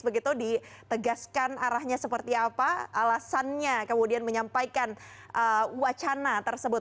begitu ditegaskan arahnya seperti apa alasannya kemudian menyampaikan wacana tersebut